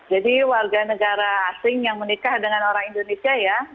jadi warga negara asing yang menikah dengan orang indonesia ya